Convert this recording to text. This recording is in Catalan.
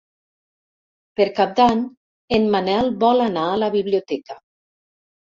Per Cap d'Any en Manel vol anar a la biblioteca.